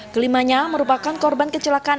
kelimanya merupakan korban kecelakaan